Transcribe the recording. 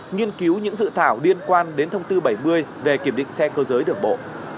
nghiên cứu những dự thảo liên quan đến thông tư bảy mươi về kiểm định xe cơ giới đường bộ